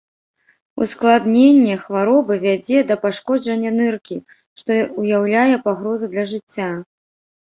Ускладненне хваробы вядзе да пашкоджання ныркі, што ўяўляе пагрозу для жыцця.